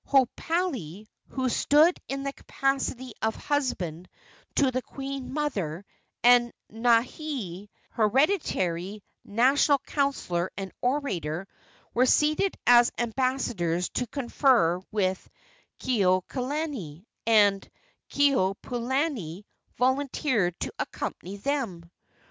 Hoapili, who stood in the capacity of husband to the queen mother, and Naihe, hereditary national counselor and orator, were selected as ambassadors to confer with Kekuaokalani, and Keopuolani volunteered to accompany them.